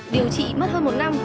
điều trị mất hơn một năm